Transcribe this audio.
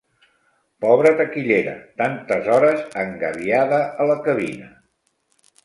Pobra taquillera, tantes hores engabiada a la cabina...!